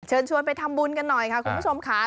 เชิญชวนไปทำบุญกันหน่อยค่ะคุณผู้ชมค่ะ